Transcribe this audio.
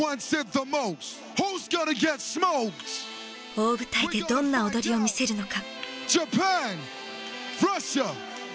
大舞台でどんな踊りを見せるのか。